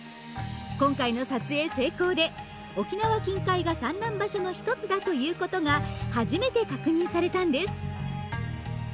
今回の撮影成功で沖縄近海が産卵場所の一つだということが初めて確認されたんです。